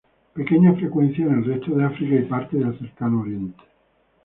Pequeñas frecuencias en el resto de África y parte del Cercano Oriente.